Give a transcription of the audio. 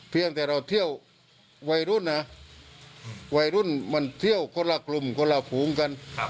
เพียงแต่เราเที่ยววัยรุ่นนะวัยรุ่นมันเที่ยวคนละกลุ่มคนละฝูงกัน